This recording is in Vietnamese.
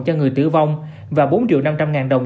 cho người tử vong và bốn triệu năm trăm linh ngàn đồng